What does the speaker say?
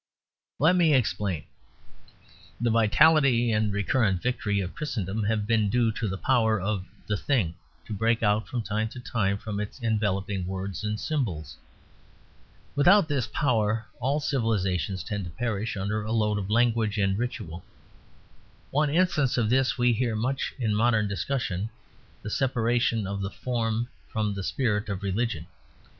Let me explain. The vitality and recurrent victory of Christendom have been due to the power of the Thing to break out from time to time from its enveloping words and symbols. Without this power all civilisations tend to perish under a load of language and ritual. One instance of this we hear much in modern discussion: the separation of the form from the spirit of religion.